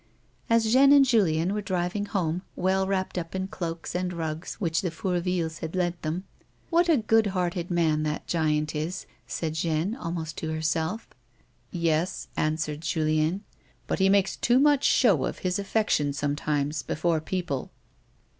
As Jeanne and Julien were driving home, well wrapped up in cloaks and rugs which the Fourvilles had lent them. " What a good hearted man that giant is," said Jeanne, almost to herself. " Yes," answered Julien ; "but he makes too much show of his affection, sometimes, before people."